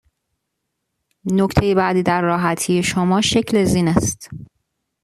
نکته بعدی در راحتی شما، شکل زین است.